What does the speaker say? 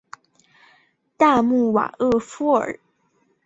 大穆瓦厄夫尔人口变化图示